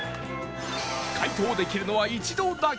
解答できるのは一度だけ！